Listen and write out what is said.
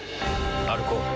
歩こう。